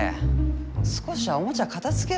少しはおもちゃ片づけろよ！